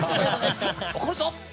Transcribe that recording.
怒るぞ！